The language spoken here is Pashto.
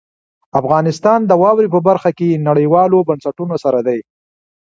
افغانستان د واورې په برخه کې نړیوالو بنسټونو سره دی.